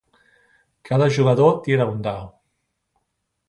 Cada jugador tira un dau.